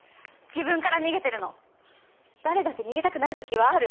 誰だって逃げたくなる時はある。